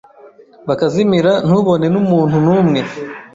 bakazimira ntubone n’umuntu n’umwe